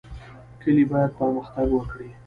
کلي باید پرمختګ وکړي